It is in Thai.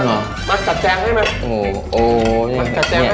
มาสัจแจงให้ไหม